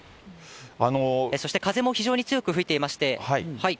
そして風も非常に強く吹いていまして。